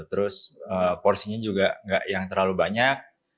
terus porsinya juga nggak yang terlalu banyak